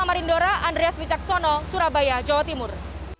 samarindora andreas wicaksono surabaya jawa timur